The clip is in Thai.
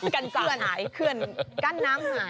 กั้นน้ำหาย